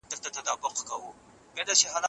زما ورور له ما څخه په انځورګرۍ کې ډېر مخکې دی.